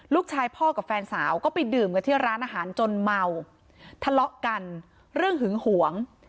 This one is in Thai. ลูกชายพ่อกับแฟนสาวก็ไปดื่มกันที่ร้านอาหารจนเมาทะเลาะกันเรื่องหึงหวง